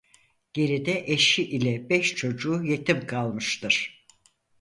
Geride eşi ile beş çocuğu yetim kalmıştır.